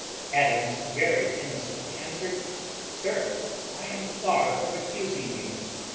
Adams very innocently answered, "Sir, I am far from accusing you."